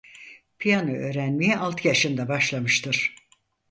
Piyano öğrenmeye altı yaşında başlamıştır.